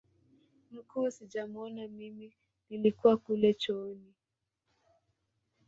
mkuu sijamuona mimi nilikuwa kule chooni